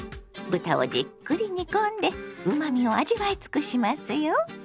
豚をじっくり煮込んでうまみを味わい尽くしますよ。